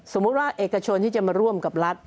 สมมุติว่าเอกชนที่จะมาร่วมกับรัฐ